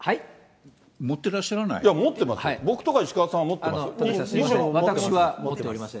いや、持ってますよ、僕とか石川さんとかは持ってますよ。